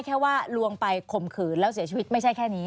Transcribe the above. แค่ว่าลวงไปข่มขืนแล้วเสียชีวิตไม่ใช่แค่นี้